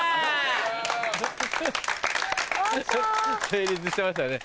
成立してましたね。